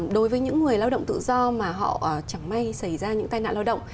đối với những người lao động tự do mà họ chẳng may xảy ra những tai nạn lao động